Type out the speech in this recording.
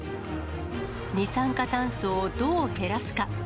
二酸化炭素をどう減らすか。